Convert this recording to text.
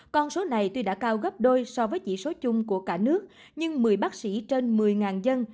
con số này tuy đã cao gấp đôi so với chỉ số chung của cả nước nhưng một mươi bác sĩ trên một mươi dân